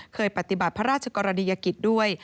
เคยปฏิบัติพระราชกรณียกิจด้วย